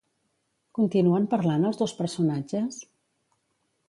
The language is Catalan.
Continuen parlant els dos personatges?